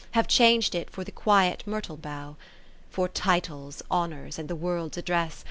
Have chang'd it for the quiet myrtle bough. For titles, honours, and the World's address.